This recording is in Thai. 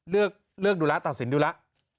เลือกดูแล้วตัดสินดูแล้ว